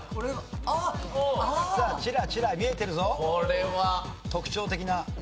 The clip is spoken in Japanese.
さあチラチラ見えてるぞ特徴的な。